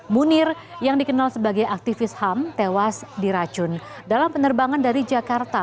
munir yang dikenal sebagai aktivis ham tewas diracun dalam penerbangan dari jakarta